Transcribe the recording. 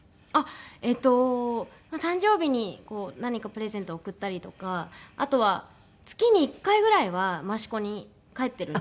えっと誕生日に何かプレゼントを贈ったりとかあとは月に１回ぐらいは益子に帰ってるんですけど。